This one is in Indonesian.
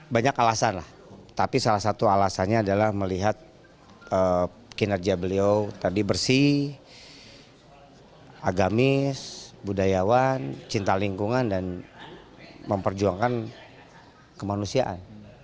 banyak alasan lah tapi salah satu alasannya adalah melihat kinerja beliau tadi bersih agamis budayawan cinta lingkungan dan memperjuangkan kemanusiaan